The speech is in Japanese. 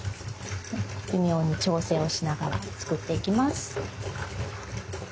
微妙に調整をしながら作っていきます。